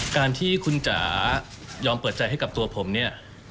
การที่คุณจ๋ายอมเปิดใจให้กับตัวผมเนี่ย